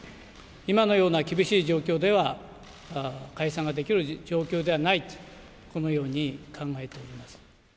今のような厳しい状況では、解散ができる状況ではないと、このように考えております。